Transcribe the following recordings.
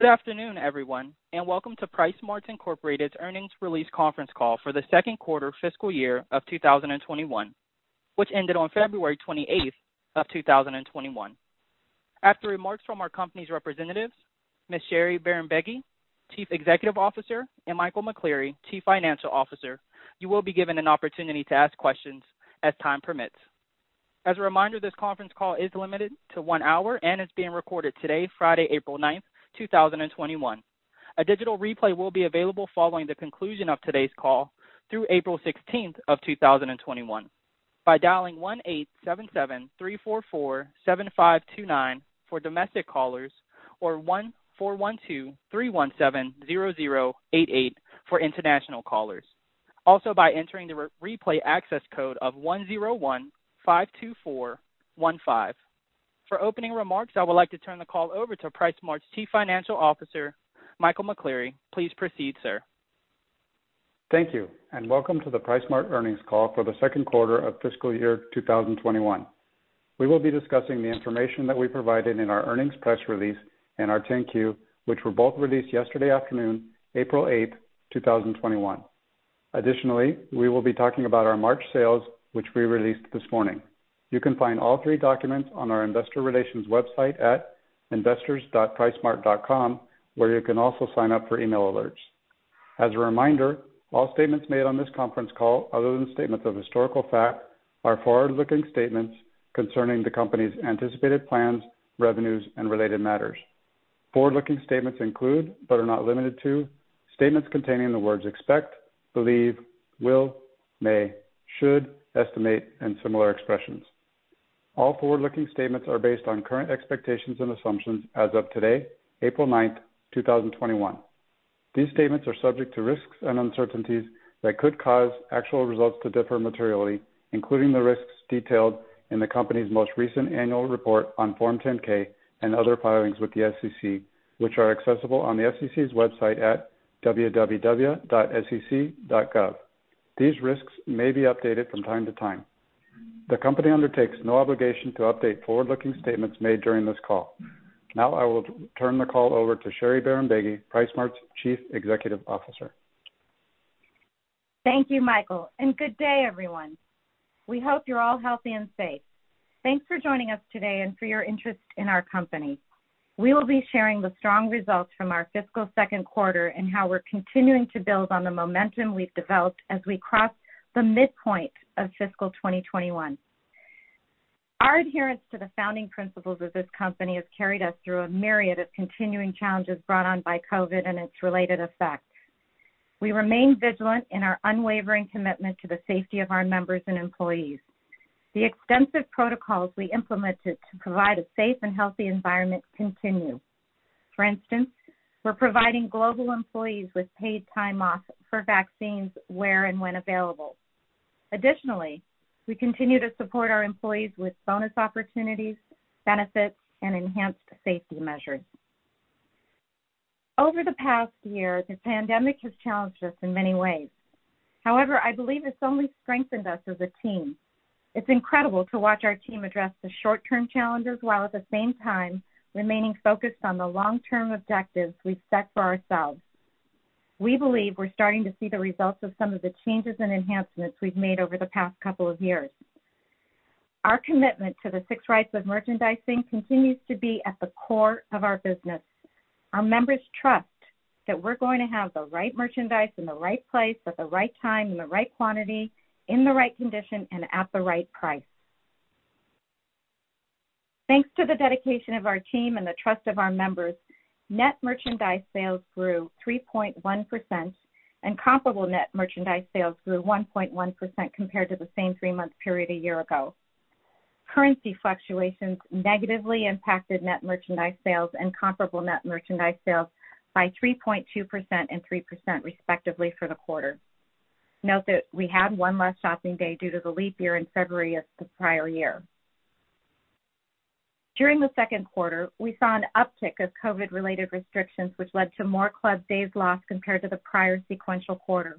Good afternoon, everyone, and welcome to PriceSmart, Inc.'s earnings release conference call for the second quarter fiscal year 2021, which ended on February 28, 2021. After remarks from our company's representatives, Ms. Sherry Bahrambeygui, Chief Executive Officer, and Michael McCleary, Chief Financial Officer, you will be given an opportunity to ask questions as time permits. As a reminder, this conference call is limited to one hour and is being recorded today, Friday, April 9, 2021. A digital replay will be available following the conclusion of today's call through April 16, 2021 by dialing 1-877-344-7529 for domestic callers or 1-412-317-0088 for international callers. Also by entering the replay access code of 10152415. For opening remarks, I would like to turn the call over to PriceSmart's Chief Financial Officer, Michael McCleary. Please proceed, sir. Thank you. Welcome to the PriceSmart earnings call for the second quarter of fiscal year 2021. We will be discussing the information that we provided in our earnings press release and our 10-Q, which were both released yesterday afternoon, April 8th, 2021. Additionally, we will be talking about our March sales, which we released this morning. You can find all three documents on our investor relations website at investors.pricesmart.com, where you can also sign up for email alerts. As a reminder, all statements made on this conference call, other than statements of historical fact, are forward-looking statements concerning the company's anticipated plans, revenues, and related matters. Forward-looking statements include, but are not limited to, statements containing the words expect, believe, will, may, should, estimate, and similar expressions. All forward-looking statements are based on current expectations and assumptions as of today, April 9th, 2021. These statements are subject to risks and uncertainties that could cause actual results to differ materially, including the risks detailed in the company's most recent annual report on Form 10-K and other filings with the SEC, which are accessible on the SEC's website at www.sec.gov. These risks may be updated from time to time. The company undertakes no obligation to update forward-looking statements made during this call. Now, I will turn the call over to Sherry Bahrambeygui, PriceSmart's Chief Executive Officer. Thank you, Michael. Good day, everyone. We hope you're all healthy and safe. Thanks for joining us today and for your interest in our company. We will be sharing the strong results from our fiscal second quarter and how we're continuing to build on the momentum we've developed as we cross the midpoint of fiscal 2021. Our adherence to the founding principles of this company has carried us through a myriad of continuing challenges brought on by COVID and its related effects. We remain vigilant in our unwavering commitment to the safety of our members and employees. The extensive protocols we implemented to provide a safe and healthy environment continue. For instance, we're providing global employees with paid time off for vaccines where and when available. Additionally, we continue to support our employees with bonus opportunities, benefits, and enhanced safety measures. Over the past year, the pandemic has challenged us in many ways. However, I believe it's only strengthened us as a team. It's incredible to watch our team address the short-term challenges while at the same time remaining focused on the long-term objectives we've set for ourselves. We believe we're starting to see the results of some of the changes and enhancements we've made over the past couple of years. Our commitment to the six rights of merchandising continues to be at the core of our business. Our members trust that we're going to have the right merchandise in the right place at the right time, in the right quantity, in the right condition, and at the right price. Thanks to the dedication of our team and the trust of our members, net merchandise sales grew 3.1%, and comparable net merchandise sales grew 1.1% compared to the same three-month period a year ago. Currency fluctuations negatively impacted net merchandise sales and comparable net merchandise sales by 3.2% and 3% respectively for the quarter. Note that we had one less shopping day due to the leap year in February of the prior year. During the second quarter, we saw an uptick of COVID-related restrictions, which led to more club days lost compared to the prior sequential quarter.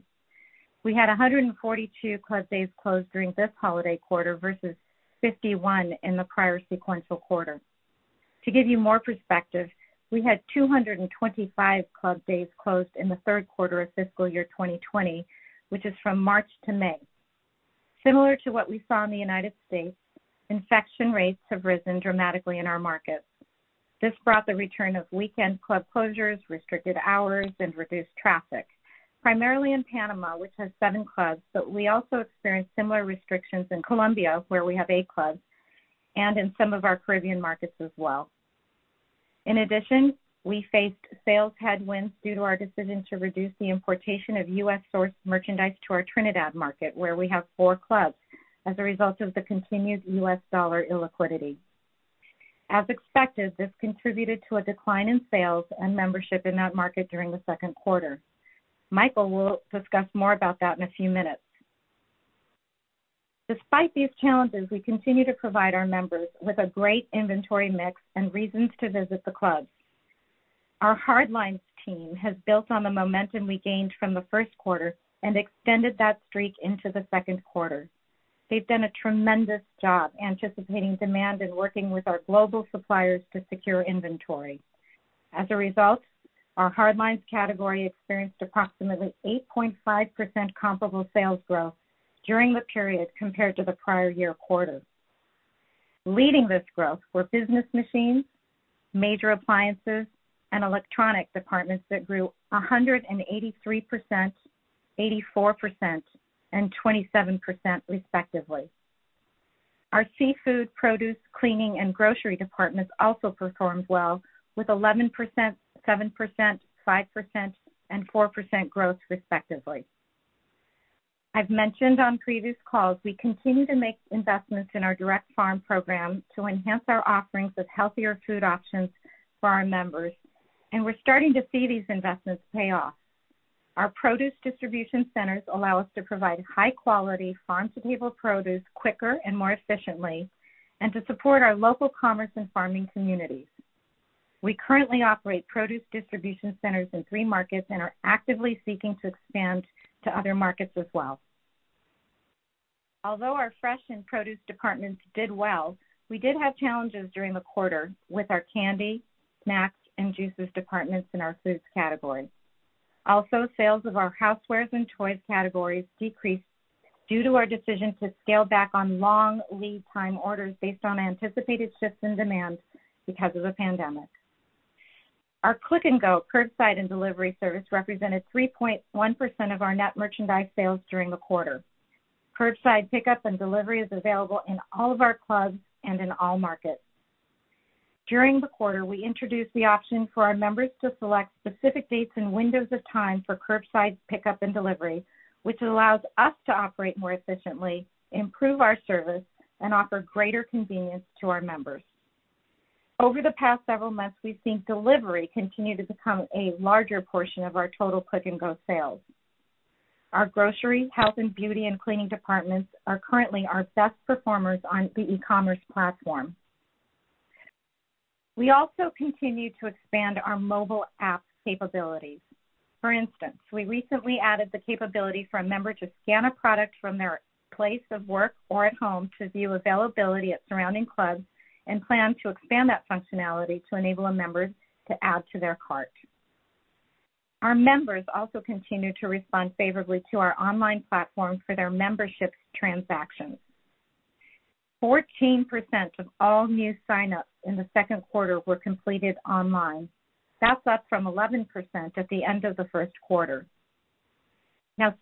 We had 142 club days closed during this holiday quarter versus 51 in the prior sequential quarter. To give you more perspective, we had 225 club days closed in the third quarter of fiscal year 2020, which is from March to May. Similar to what we saw in the United States, infection rates have risen dramatically in our markets. This brought the return of weekend club closures, restricted hours, and reduced traffic, primarily in Panama, which has seven clubs, but we also experienced similar restrictions in Colombia, where we have eight clubs, and in some of our Caribbean markets as well. In addition, we faced sales headwinds due to our decision to reduce the importation of U.S.-sourced merchandise to our Trinidad market, where we have four clubs, as a result of the continued U.S. dollar illiquidity. As expected, this contributed to a decline in sales and membership in that market during the second quarter. Michael will discuss more about that in a few minutes. Despite these challenges, we continue to provide our members with a great inventory mix and reasons to visit the clubs. Our hardlines team has built on the momentum we gained from the first quarter and extended that streak into the second quarter. They've done a tremendous job anticipating demand and working with our global suppliers to secure inventory. As a result, our hardlines category experienced approximately 8.5% comparable sales growth during the period compared to the prior year quarter. Leading this growth were business machines, major appliances, and electronic departments that grew 183%, 84%, and 27%, respectively. Our seafood, produce, cleaning, and grocery departments also performed well, with 11%, 7%, 5%, and 4% growth, respectively. I've mentioned on previous calls, we continue to make investments in our direct farm program to enhance our offerings with healthier food options for our members, and we're starting to see these investments pay off. Our produce distribution centers allow us to provide high quality farm-to-table produce quicker and more efficiently, and to support our local commerce and farming communities. We currently operate produce distribution centers in three markets and are actively seeking to expand to other markets as well. Although our fresh and produce departments did well, we did have challenges during the quarter with our candy, snacks, and juices departments in our foods category. Also, sales of our housewares and toys categories decreased due to our decision to scale back on long lead time orders based on anticipated shifts in demand because of the pandemic. Our Click & Go curbside and delivery service represented 3.1% of our net merchandise sales during the quarter. Curbside pickup and delivery is available in all of our clubs and in all markets. During the quarter, we introduced the option for our members to select specific dates and windows of time for curbside pickup and delivery, which allows us to operate more efficiently, improve our service, and offer greater convenience to our members. Over the past several months, we've seen delivery continue to become a larger portion of our total Click & Go sales. Our grocery, health and beauty, and cleaning departments are currently our best performers on the e-commerce platform. We also continue to expand our mobile app capabilities. For instance, we recently added the capability for a member to scan a product from their place of work or at home to view availability at surrounding clubs and plan to expand that functionality to enable our members to add to their cart. Our members also continue to respond favorably to our online platform for their membership transactions. 14% of all new signups in the second quarter were completed online. That's up from 11% at the end of the first quarter.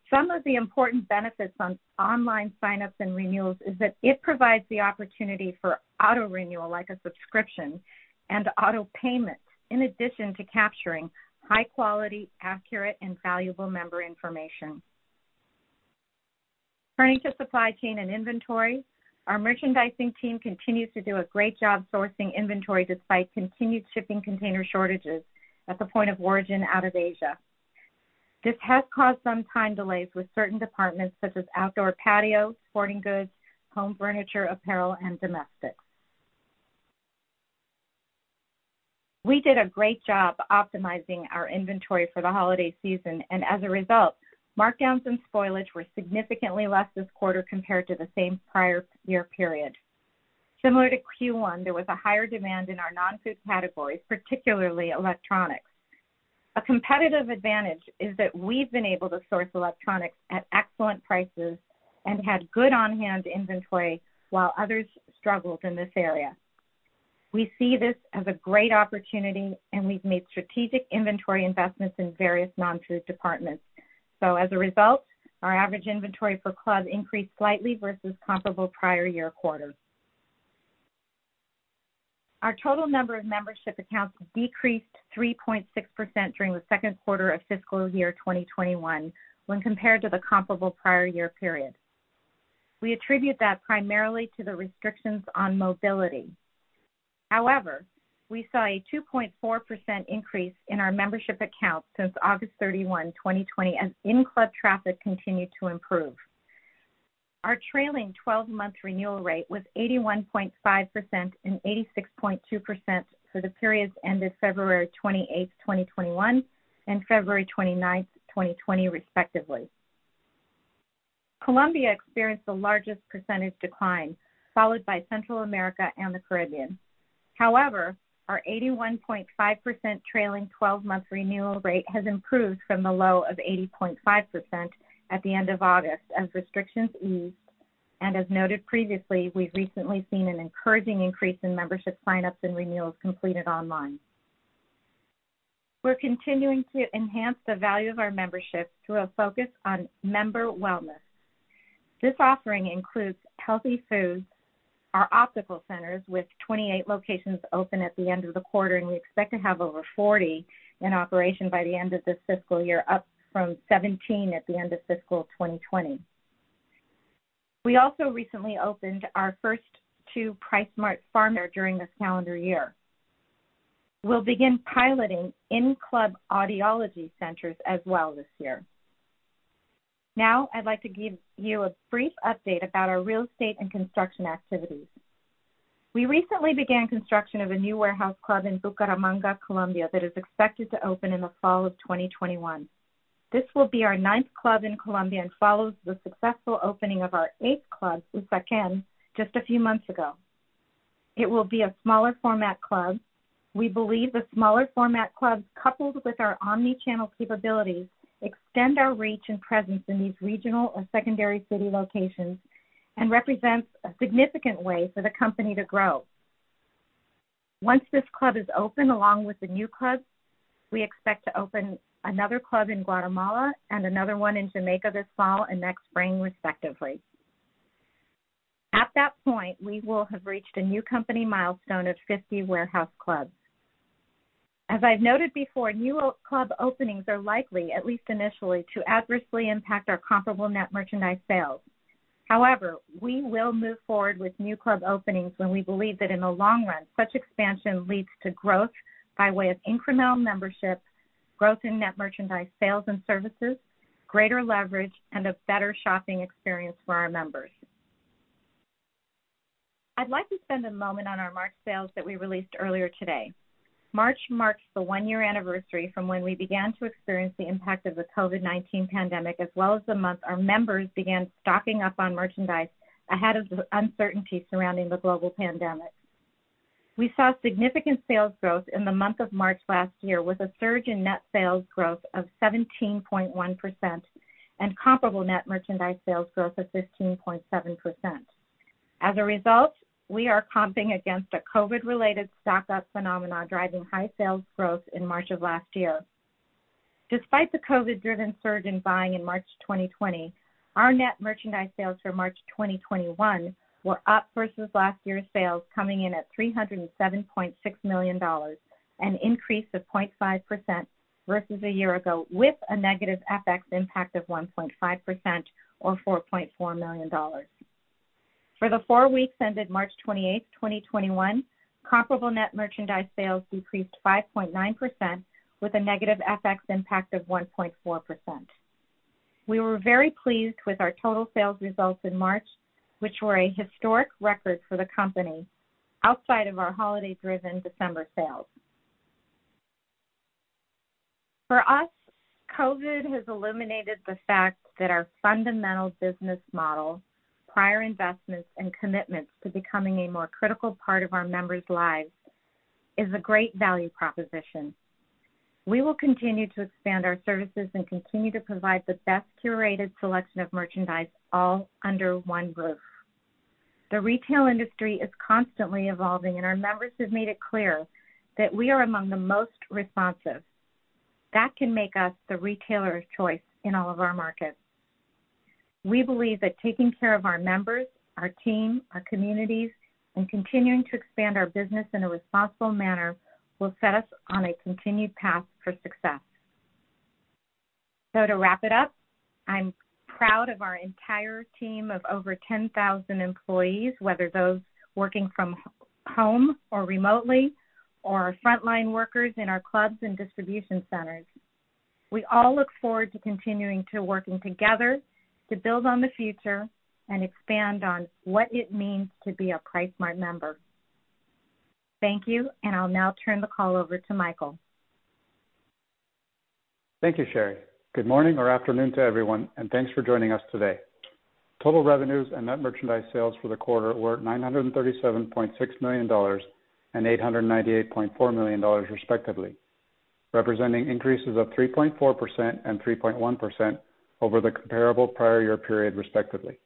Some of the important benefits on online signups and renewals is that it provides the opportunity for auto renewal like a subscription and auto payment, in addition to capturing high quality, accurate, and valuable member information. Turning to supply chain and inventory, our merchandising team continues to do a great job sourcing inventory despite continued shipping container shortages at the point of origin out of Asia. This has caused some time delays with certain departments such as outdoor patio, sporting goods, home furniture, apparel, and domestics. As a result, markdowns and spoilage were significantly less this quarter compared to the same prior year period. Similar to Q1, there was a higher demand in our non-food categories, particularly electronics. A competitive advantage is that we've been able to source electronics at excellent prices and had good on-hand inventory while others struggled in this area. We see this as a great opportunity, and we've made strategic inventory investments in various non-food departments. As a result, our average inventory per club increased slightly versus comparable prior year quarter. Our total number of membership accounts decreased 3.6% during the second quarter of fiscal year 2021 when compared to the comparable prior year period. We attribute that primarily to the restrictions on mobility. However, we saw a 2.4% increase in our membership accounts since August 31, 2020, as in-club traffic continued to improve. Our trailing 12-month renewal rate was 81.5% and 86.2% for the periods ended February 28, 2021, and February 29, 2020, respectively. Colombia experienced the largest percentage decline, followed by Central America and the Caribbean. However, our 81.5% trailing 12-month renewal rate has improved from the low of 80.5% at the end of August as restrictions eased, and as noted previously, we've recently seen an encouraging increase in membership signups and renewals completed online. We're continuing to enhance the value of our membership through a focus on member wellness. This offering includes healthy foods, our optical centers with 28 locations open at the end of the quarter, and we expect to have over 40 in operation by the end of this fiscal year, up from 17 at the end of fiscal 2020. We also recently opened our first two PriceSmart Pharmacy during this calendar year. We'll begin piloting in-club audiology centers as well this year. Now, I'd like to give you a brief update about our real estate and construction activities. We recently began construction of a new warehouse club in Bucaramanga, Colombia, that is expected to open in the fall of 2021. This will be our ninth club in Colombia and follows the successful opening of our eighth club in Usaquén just a few months ago. It will be a smaller format club. We believe the smaller format clubs, coupled with our omni-channel capabilities, extend our reach and presence in these regional or secondary city locations, and represents a significant way for the company to grow. Once this club is open, along with the new clubs, we expect to open another club in Guatemala and another one in Jamaica this fall and next spring, respectively. At that point, we will have reached a new company milestone of 50 warehouse clubs. As I've noted before, new club openings are likely, at least initially, to adversely impact our comparable net merchandise sales. However, we will move forward with new club openings when we believe that in the long run, such expansion leads to growth by way of incremental membership, growth in net merchandise sales and services, greater leverage, and a better shopping experience for our members. I'd like to spend a moment on our March sales that we released earlier today. March marks the one-year anniversary from when we began to experience the impact of the COVID-19 pandemic, as well as the month our members began stocking up on merchandise ahead of the uncertainty surrounding the global pandemic. We saw significant sales growth in the month of March last year, with a surge in net sales growth of 17.1% and comparable net merchandise sales growth of 15.7%. As a result, we are comping against a COVID-related stock-up phenomenon, driving high sales growth in March of last year. Despite the COVID-driven surge in buying in March 2020, our net merchandise sales for March 2021 were up versus last year's sales, coming in at $307.6 million, an increase of 0.5% versus a year ago, with a negative FX impact of 1.5% or $4.4 million. For the four weeks ended March 28, 2021, comparable net merchandise sales decreased 5.9% with a negative FX impact of 1.4%. We were very pleased with our total sales results in March, which were a historic record for the company, outside of our holiday-driven December sales. For us, COVID has illuminated the fact that our fundamental business model, prior investments, and commitments to becoming a more critical part of our members' lives is a great value proposition. We will continue to expand our services and continue to provide the best curated selection of merchandise all under one roof. The retail industry is constantly evolving, and our members have made it clear that we are among the most responsive. That can make us the retailer of choice in all of our markets. We believe that taking care of our members, our team, our communities, and continuing to expand our business in a responsible manner will set us on a continued path for success. To wrap it up, I'm proud of our entire team of over 10,000 employees, whether those working from home or remotely, or frontline workers in our clubs and distribution centers. We all look forward to continuing to working together to build on the future and expand on what it means to be a PriceSmart member. Thank you. I'll now turn the call over to Michael. Thank you, Sherry. Good morning or afternoon to everyone, and thanks for joining us today. Total revenues and net merchandise sales for the quarter were $937.6 million and $898.4 million respectively, representing increases of 3.4% and 3.1% over the comparable prior year period, respectively.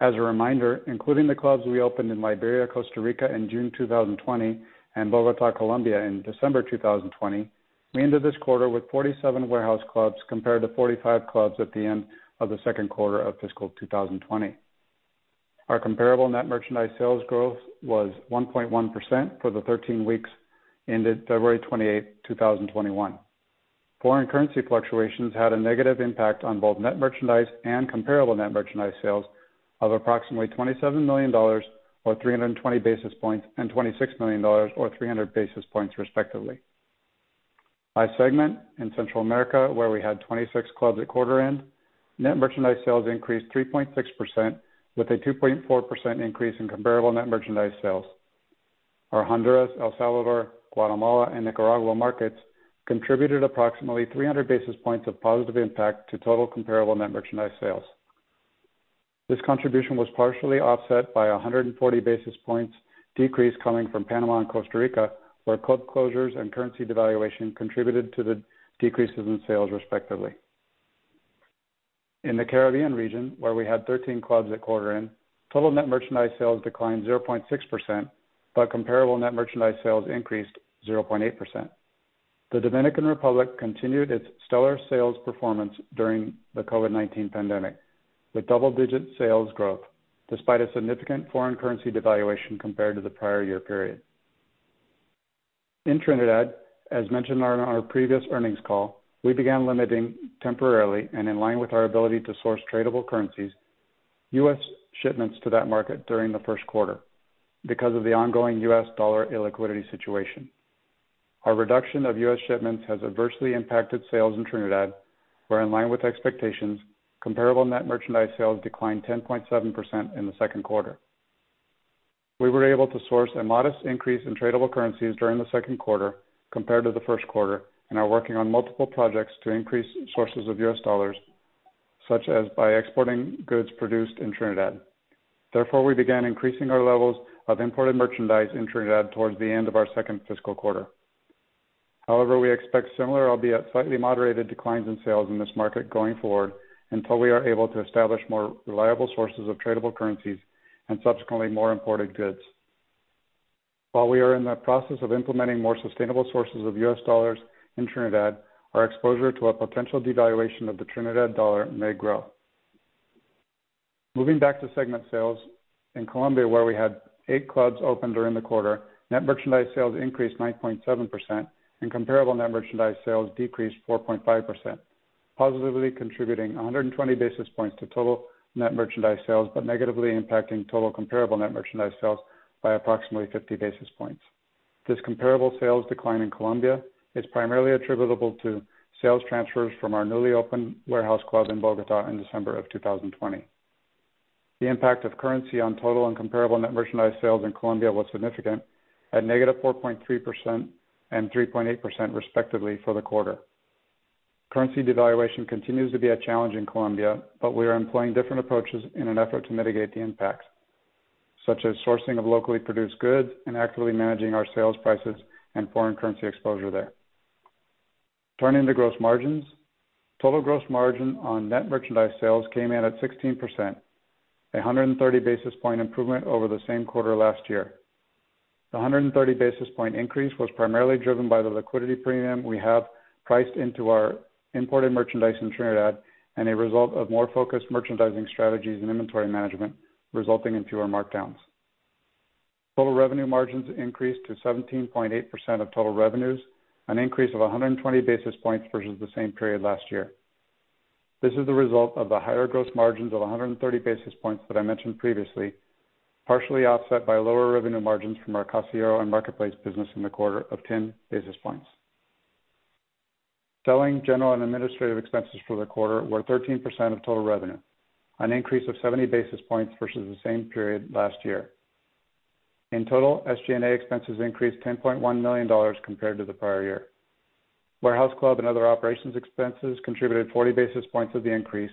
As a reminder, including the clubs we opened in Liberia, Costa Rica in June 2020 and Bogotá, Colombia in December 2020, we ended this quarter with 47 warehouse clubs compared to 45 clubs at the end of the second quarter of fiscal 2020. Our comparable net merchandise sales growth was 1.1% for the 13 weeks ended February 28th, 2021. Foreign currency fluctuations had a negative impact on both net merchandise and comparable net merchandise sales of approximately $27 million, or 320 basis points, and $26 million, or 300 basis points, respectively. By segment in Central America, where we had 26 clubs at quarter end, net merchandise sales increased 3.6%, with a 2.4% increase in comparable net merchandise sales. Our Honduras, El Salvador, Guatemala, and Nicaragua markets contributed approximately 300 basis points of positive impact to total comparable net merchandise sales. This contribution was partially offset by 140 basis points decrease coming from Panama and Costa Rica, where club closures and currency devaluation contributed to the decreases in sales, respectively. In the Caribbean region, where we had 13 clubs at quarter end, total net merchandise sales declined 0.6%, but comparable net merchandise sales increased 0.8%. The Dominican Republic continued its stellar sales performance during the COVID-19 pandemic, with double digit sales growth despite a significant foreign currency devaluation compared to the prior year period. In Trinidad, as mentioned on our previous earnings call, we began limiting temporarily and in line with our ability to source tradable currencies, U.S. shipments to that market during the first quarter because of the ongoing U.S. dollar illiquidity situation. Our reduction of U.S. shipments has adversely impacted sales in Trinidad, where in line with expectations, comparable net merchandise sales declined 10.7% in the second quarter. We were able to source a modest increase in tradable currencies during the second quarter compared to the first quarter, and are working on multiple projects to increase sources of U.S. dollars, such as by exporting goods produced in Trinidad. Therefore, we began increasing our levels of imported merchandise in Trinidad towards the end of our second fiscal quarter. However, we expect similar, albeit slightly moderated declines in sales in this market going forward until we are able to establish more reliable sources of tradable currencies and subsequently more imported goods. While we are in the process of implementing more sustainable sources of US dollars in Trinidad, our exposure to a potential devaluation of the Trinidad dollar may grow. Moving back to segment sales, in Colombia where we had eight clubs open during the quarter, net merchandise sales increased 9.7% and comparable net merchandise sales decreased 4.5%, positively contributing 120 basis points to total net merchandise sales, but negatively impacting total comparable net merchandise sales by approximately 50 basis points. This comparable sales decline in Colombia is primarily attributable to sales transfers from our newly opened warehouse club in Bogotá in December of 2020. The impact of currency on total and comparable net merchandise sales in Colombia was significant at -4.3% and 3.8%, respectively, for the quarter. Currency devaluation continues to be a challenge in Colombia, but we are employing different approaches in an effort to mitigate the impacts, such as sourcing of locally produced goods and actively managing our sales prices and foreign currency exposure there. Turning to gross margins. Total gross margin on net merchandise sales came in at 16%, a 130 basis point improvement over the same quarter last year. The 130 basis point increase was primarily driven by the liquidity premium we have priced into our imported merchandise in Trinidad and a result of more focused merchandising strategies and inventory management, resulting in fewer markdowns. Total revenue margins increased to 17.8% of total revenues, an increase of 120 basis points versus the same period last year. This is the result of the higher gross margins of 130 basis points that I mentioned previously, partially offset by lower revenue margins from our Casillero and marketplace business in the quarter of 10 basis points. Selling, general, and administrative expenses for the quarter were 13% of total revenue, an increase of 70 basis points versus the same period last year. In total, SG&A expenses increased $10.1 million compared to the prior year. Warehouse club and other operations expenses contributed 40 basis points of the increase,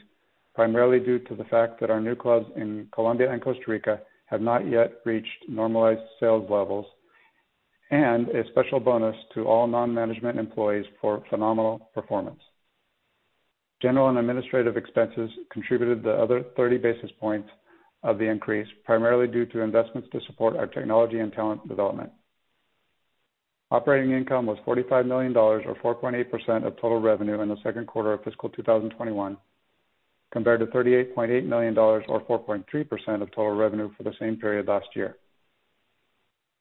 primarily due to the fact that our new clubs in Colombia and Costa Rica have not yet reached normalized sales levels and a special bonus to all non-management employees for phenomenal performance. General and administrative expenses contributed the other 30 basis points of the increase, primarily due to investments to support our technology and talent development. Operating income was $45 million, or 4.8% of total revenue in the second quarter of fiscal 2021, compared to $38.8 million or 4.3% of total revenue for the same period last year.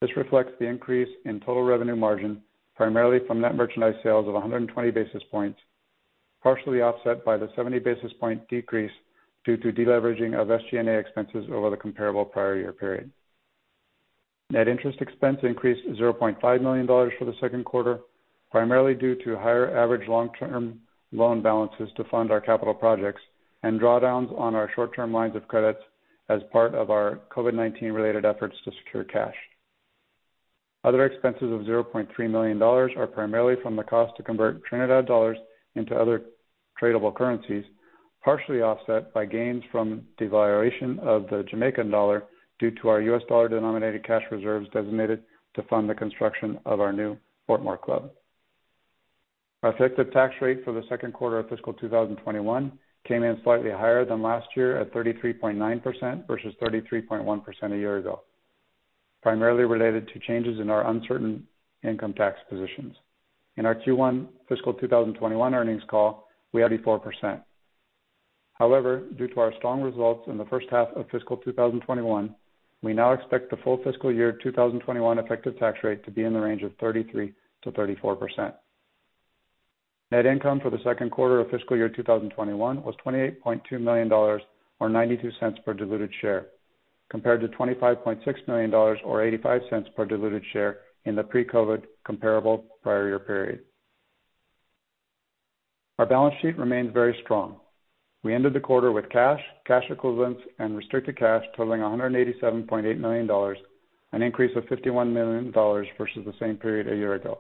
This reflects the increase in total revenue margin, primarily from net merchandise sales of 120 basis points, partially offset by the 70 basis point decrease due to deleveraging of SG&A expenses over the comparable prior year period. Net interest expense increased $0.5 million for the second quarter, primarily due to higher average long-term loan balances to fund our capital projects and drawdowns on our short-term lines of credit as part of our COVID-19 related efforts to secure cash. Other expenses of $0.3 million are primarily from the cost to convert Trinidad dollars into other tradable currencies, partially offset by gains from devaluation of the Jamaican dollar due to our U.S. dollar-denominated cash reserves designated to fund the construction of our new Portmore club. Our effective tax rate for the second quarter of fiscal 2021 came in slightly higher than last year at 33.9% versus 33.1% a year ago, primarily related to changes in our uncertain income tax positions. In our Q1 fiscal 2021 earnings call, we had a 4%. However, due to our strong results in the first half of fiscal 2021, we now expect the full fiscal year 2021 effective tax rate to be in the range of 33%-34%. Net income for the second quarter of fiscal year 2021 was $28.2 million, or $0.92 per diluted share, compared to $25.6 million or $0.85 per diluted share in the pre-COVID comparable prior year period. Our balance sheet remains very strong. We ended the quarter with cash equivalents, and restricted cash totaling $187.8 million, an increase of $51 million versus the same period a year ago.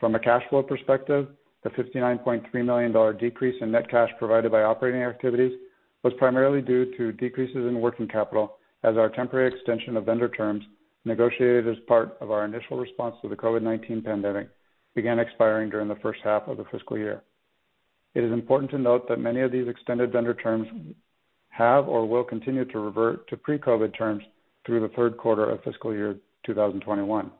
From a cash flow perspective, the $59.3 million decrease in net cash provided by operating activities was primarily due to decreases in working capital as our temporary extension of vendor terms negotiated as part of our initial response to the COVID-19 pandemic began expiring during the first half of the fiscal year. It is important to note that many of these extended vendor terms have or will continue to revert to pre-COVID terms through the third quarter of fiscal year 2021.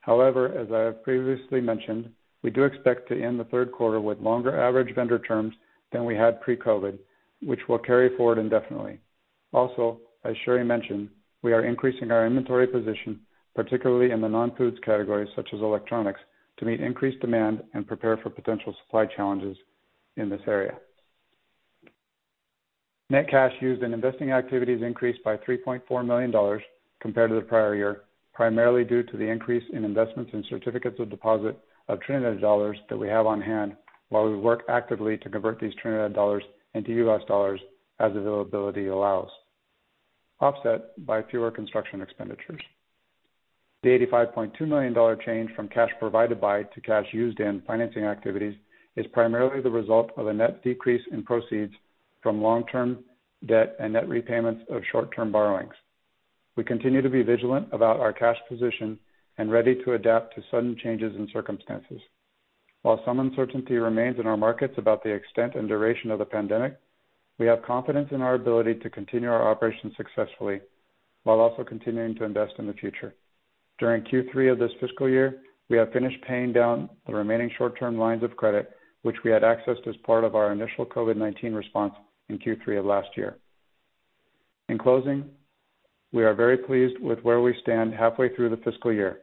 However, as I have previously mentioned, we do expect to end the third quarter with longer average vendor terms than we had pre-COVID, which will carry forward indefinitely. Also, as Sherry mentioned, we are increasing our inventory position, particularly in the non-foods categories such as electronics, to meet increased demand and prepare for potential supply challenges in this area.Net cash used in investing activities increased by $3.4 million compared to the prior year, primarily due to the increase in investments in certificates of deposit of Trinidad dollars that we have on hand while we work actively to convert these Trinidad dollars into U.S. dollars as availability allows, offset by fewer construction expenditures. The $85.2 million change from cash provided by to cash used in financing activities is primarily the result of a net decrease in proceeds from long-term debt and net repayments of short-term borrowings. We continue to be vigilant about our cash position and ready to adapt to sudden changes in circumstances. While some uncertainty remains in our markets about the extent and duration of the pandemic, we have confidence in our ability to continue our operations successfully while also continuing to invest in the future. During Q3 of this fiscal year, we have finished paying down the remaining short-term lines of credit, which we had accessed as part of our initial COVID-19 response in Q3 of last year. In closing, we are very pleased with where we stand halfway through the fiscal year.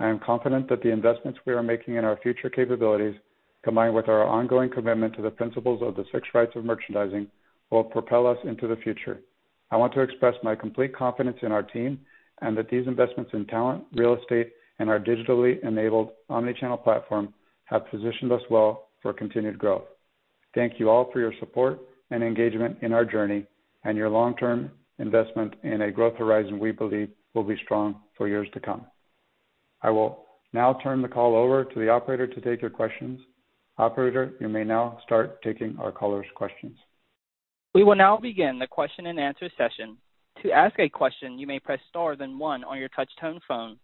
I am confident that the investments we are making in our future capabilities, combined with our ongoing commitment to the principles of the Six Rights of Merchandising, will propel us into the future. I want to express my complete confidence in our team and that these investments in talent, real estate, and our digitally enabled omni-channel platform have positioned us well for continued growth. Thank you all for your support and engagement in our journey and your long-term investment in a growth horizon we believe will be strong for years to come. I will now turn the call over to the operator to take your questions. Operator, you may now start taking our callers' questions. We will now begin the question and answer session. To ask a question, you may press star then one on your touch tone phone.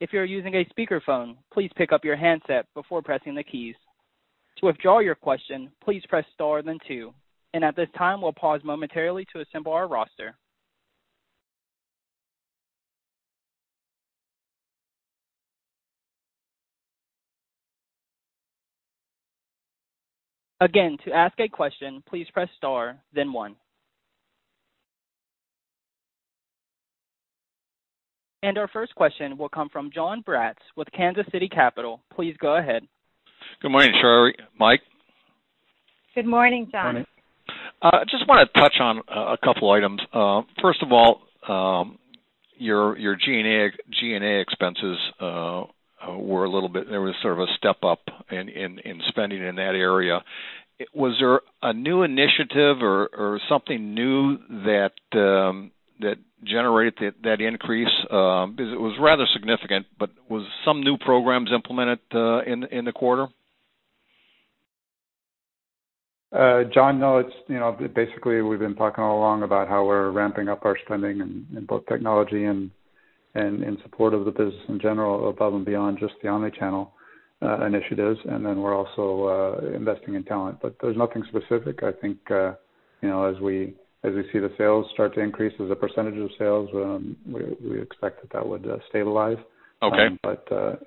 If you are using a speakerphone, please pick up your handset before pressing the keys. To withdraw your question, please press star then two. At this time, we'll pause momentarily to assemble our roster. Again, to ask a question, please press star then one. Our first question will come from Jon Braatz with Kansas City Capital. Please go ahead. Good morning, Sherry, Mike. Good morning, Jon. Just wanna touch on a couple items. First of all, your G&A expenses, there was sort of a step up in spending in that area. Was there a new initiative or something new that generated that increase? It was rather significant, but was some new programs implemented in the quarter? Jon, no, basically, we've been talking all along about how we're ramping up our spending in both technology and in support of the business in general, above and beyond just the omni-channel initiatives. Then we're also investing in talent. There's nothing specific. I think, as we see the sales start to increase as a percentage of sales, we expect that that would stabilize. Okay.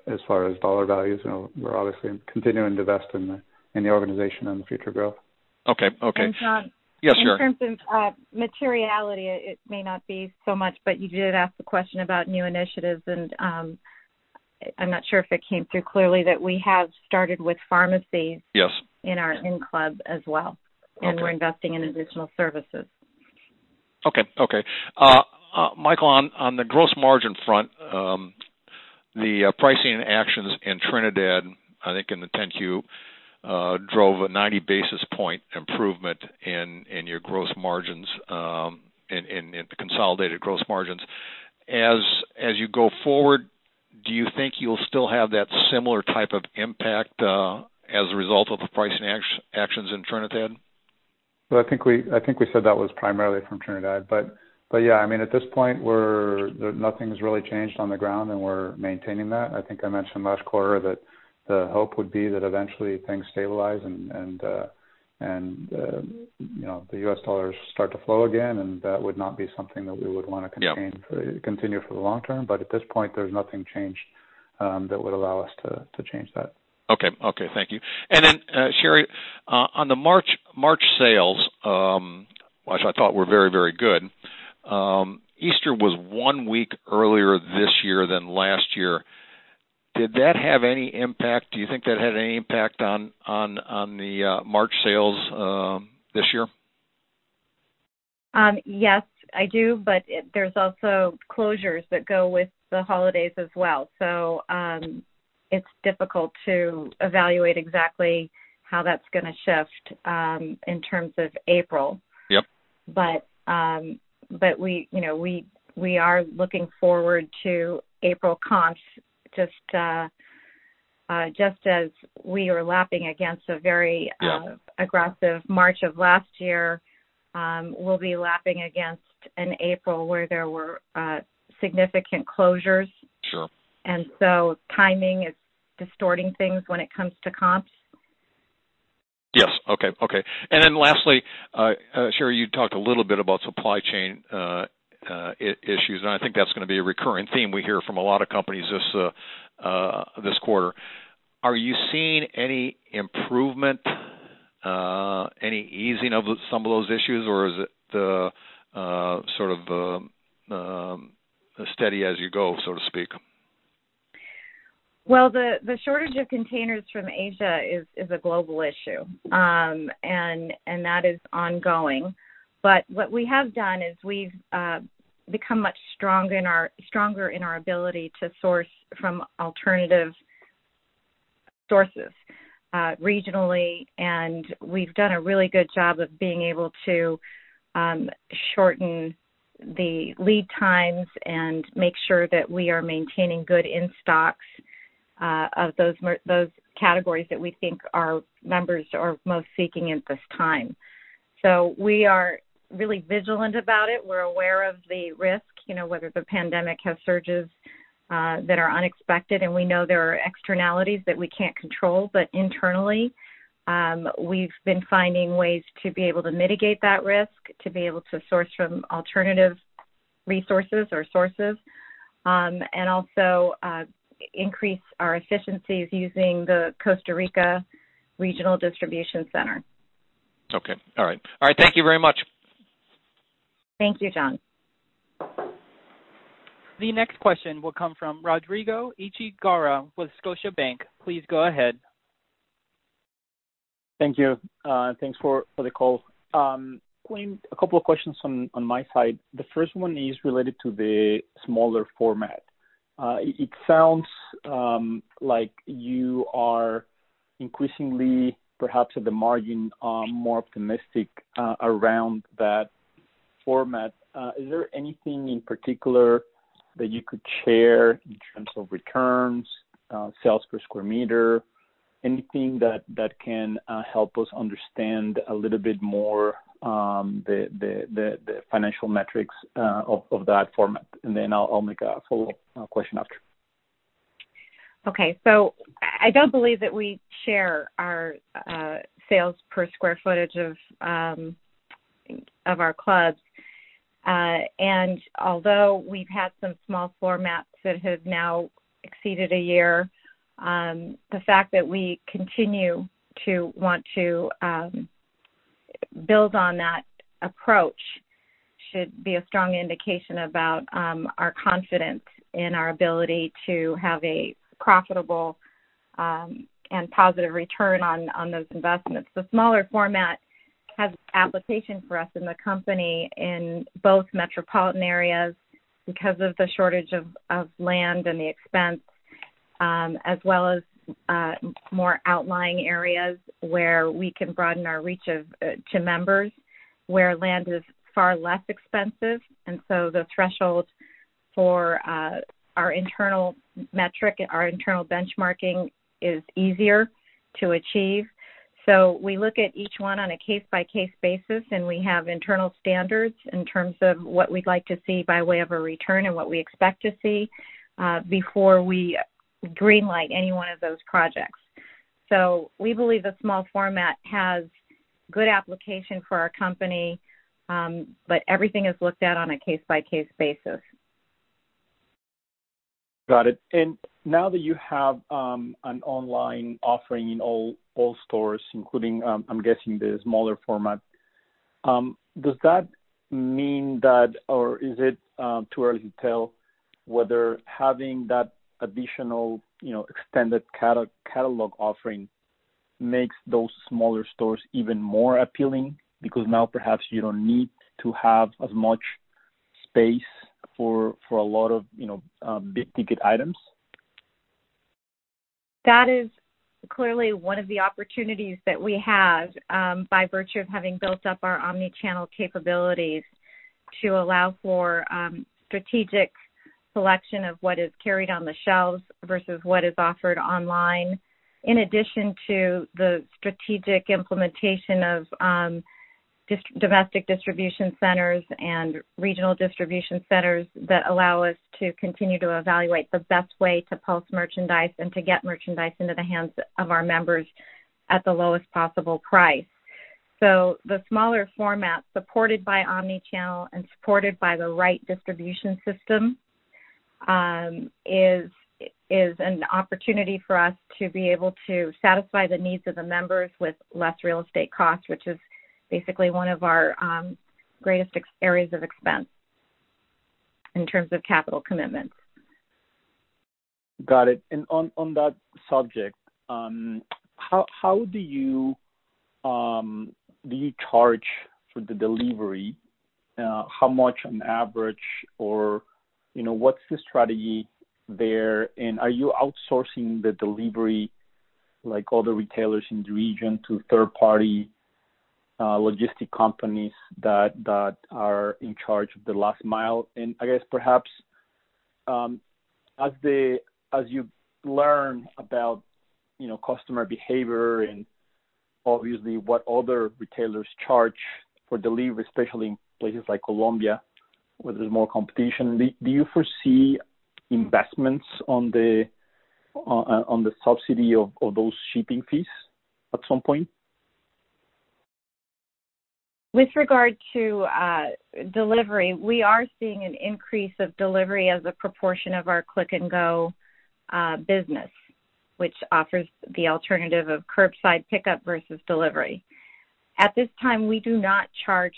As far as dollar values, we're obviously continuing to invest in the organization and the future growth. Okay. Jon. Yes, sure. In terms of materiality, it may not be so much, but you did ask the question about new initiatives, and I'm not sure if it came through clearly that we have started with pharmacies. Yes in club as well. Okay. We're investing in additional services. Okay, Michael, on the gross margin front, the pricing actions in Trinidad, I think in the 10-Q, drove a 90 basis point improvement in your gross margins, in the consolidated gross margins. As you go forward, do you think you'll still have that similar type of impact, as a result of the pricing actions in Trinidad? I think we said that was primarily from Trinidad. Yeah, at this point nothing's really changed on the ground, and we're maintaining that. I think I mentioned last quarter that the hope would be that eventually things stabilize and the U.S. dollars start to flow again, and that would not be something that we would wanna-. Yeah continue for the long term. At this point, there's nothing changed that would allow us to change that. Okay. Thank you. Sherry, on the March sales, which I thought were very good, Easter was one week earlier this year than last year. Did that have any impact? Do you think that had any impact on the March sales this year? Yes, I do, but there's also closures that go with the holidays as well. It's difficult to evaluate exactly how that's gonna shift in terms of April. Yep. we are looking forward to April comps, just as we are lapping against a very- Yeah aggressive March of last year, we'll be lapping against an April where there were significant closures. Sure. Timing is distorting things when it comes to comps. Yes, okay. Lastly, Sherry, you talked a little bit about supply chain issues, and I think that's going to be a recurring theme we hear from a lot of companies this quarter. Are you seeing any improvement, any easing of some of those issues, or is it sort of steady as you go, so to speak? The shortage of containers from Asia is a global issue. That is ongoing. What we have done is we've become much stronger in our ability to source from alternative sources regionally. We've done a really good job of being able to shorten the lead times and make sure that we are maintaining good in-stocks of those categories that we think our members are most seeking at this time. We are really vigilant about it. We're aware of the risk, whether the pandemic has surges that are unexpected. We know there are externalities that we can't control. Internally, we've been finding ways to be able to mitigate that risk, to be able to source from alternative resources or sources. Also increase our efficiencies using the Costa Rica regional distribution center. Okay. All right. Thank you very much. Thank you, Jon. The next question will come from Rodrigo Echagaray with Scotiabank. Please go ahead. Thank you. Thanks for the call. Colleen, a couple of questions on my side. The first one is related to the smaller format. It sounds like you are increasingly, perhaps at the margin, more optimistic around that format. Is there anything in particular that you could share in terms of returns, sales per square meter, anything that can help us understand a little bit more the financial metrics of that format? Then I'll make a follow-up question after. Okay. I don't believe that we share our sales per square footage of our clubs. Although we've had some small formats that have now exceeded a year, the fact that we continue to want to build on that approach should be a strong indication about our confidence in our ability to have a profitable and positive return on those investments. The smaller format has application for us in the company in both metropolitan areas because of the shortage of land and the expense, as well as more outlying areas where we can broaden our reach to members where land is far less expensive, the threshold for our internal metric and our internal benchmarking is easier to achieve. We look at each one on a case-by-case basis, and we have internal standards in terms of what we'd like to see by way of a return and what we expect to see before we green-light any one of those projects. We believe the small format has good application for our company, but everything is looked at on a case-by-case basis. Got it. Now that you have an online offering in all stores, including, I'm guessing, the smaller format, does that mean that, or is it too early to tell whether having that additional extended catalog offering makes those smaller stores even more appealing because now perhaps you don't need to have as much space for a lot of big-ticket items? That is clearly one of the opportunities that we have by virtue of having built up our omni-channel capabilities to allow for strategic selection of what is carried on the shelves versus what is offered online, in addition to the strategic implementation of domestic distribution centers and regional distribution centers that allow us to continue to evaluate the best way to pulse merchandise and to get merchandise into the hands of our members at the lowest possible price. The smaller format, supported by omni-channel and supported by the right distribution system, is an opportunity for us to be able to satisfy the needs of the members with less real estate cost, which is basically one of our greatest areas of expense in terms of capital commitments. Got it. On that subject, how do you charge for the delivery? How much on average, or what's the strategy there, and are you outsourcing the delivery, like other retailers in the region, to third-party logistic companies that are in charge of the last mile? I guess perhaps, as you learn about customer behavior and obviously what other retailers charge for delivery, especially in places like Colombia, where there's more competition, do you foresee investments on the subsidy of those shipping fees at some point? With regard to delivery, we are seeing an increase of delivery as a proportion of our Click & Go business, which offers the alternative of curbside pickup versus delivery. At this time, we do not charge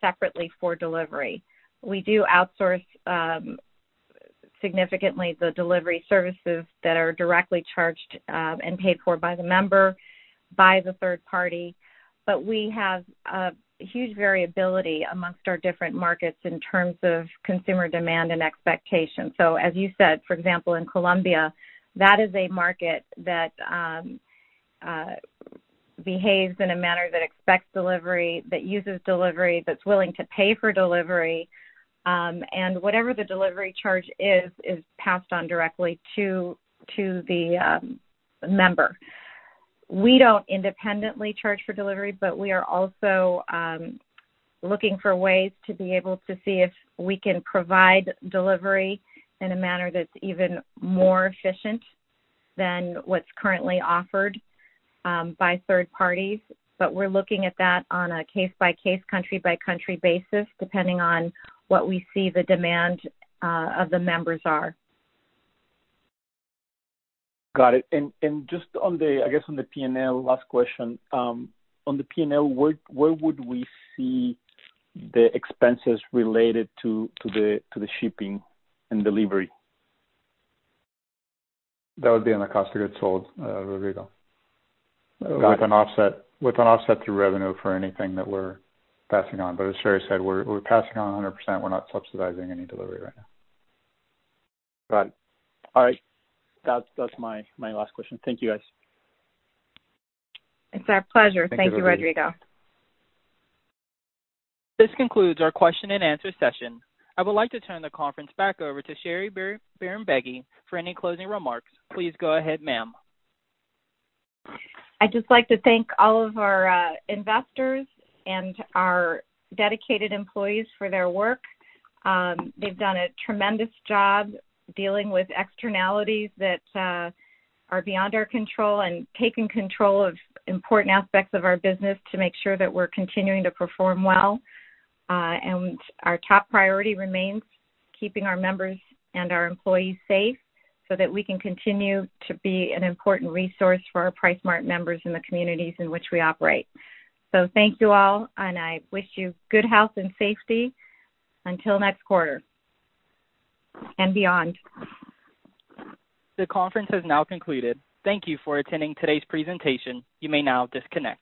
separately for delivery. We do outsource significantly the delivery services that are directly charged and paid for by the member, by the third party. We have a huge variability amongst our different markets in terms of consumer demand and expectation. As you said, for example, in Colombia, that is a market that behaves in a manner that expects delivery, that uses delivery, that's willing to pay for delivery. Whatever the delivery charge is passed on directly to the member. We don't independently charge for delivery, we are also looking for ways to be able to see if we can provide delivery in a manner that's even more efficient than what's currently offered by third parties. We're looking at that on a case-by-case, country-by-country basis, depending on what we see the demand of the members are. Got it. Just, I guess, on the P&L, last question. On the P&L, where would we see the expenses related to the shipping and delivery? That would be on the cost of goods sold, Rodrigo. Got it. With an offset through revenue for anything that we're passing on. As Sherry said, we're passing on 100%. We're not subsidizing any delivery right now. Got it. All right. That's my last question. Thank you, guys. It's our pleasure. Thank you, Rodrigo. Thank you. This concludes our question and answer session. I would like to turn the conference back over to Sherry Bahrambeygui for any closing remarks. Please go ahead, ma'am. I'd just like to thank all of our investors and our dedicated employees for their work. They've done a tremendous job dealing with externalities that are beyond our control and taking control of important aspects of our business to make sure that we're continuing to perform well. Our top priority remains keeping our members and our employees safe so that we can continue to be an important resource for our PriceSmart members in the communities in which we operate. Thank you all, and I wish you good health and safety until next quarter and beyond. The conference has now concluded. Thank you for attending today's presentation. You may now disconnect.